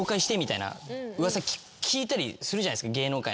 噂聞いたりするじゃないですか芸能界の。